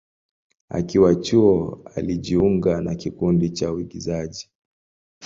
Akiwa chuo, alijiunga na kikundi cha uigizaji.